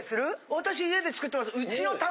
私家で作ってます。